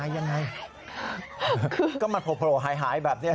ยังไงก็มันโผล่หายแบบนี้